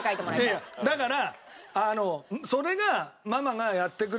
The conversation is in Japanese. いやいやだから。